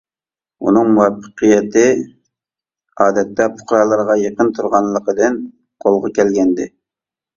ئۇنىڭ مۇۋەپپەقىيىتى ئادەتتە پۇقرالارغا يېقىن تۇرغانلىقىدىن قولغا كەلگەنىدى.